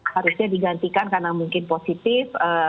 harusnya digantikan karena mungkin positif